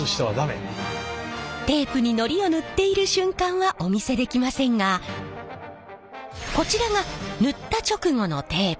テープにのりを塗っている瞬間はお見せできませんがこちらが塗った直後のテープ。